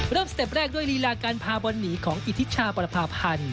สเต็ปแรกด้วยลีลาการพาบอลหนีของอิทิชาประพาพันธ์